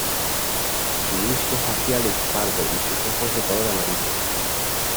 Su disco facial es pardo y sus ojos de color amarillo.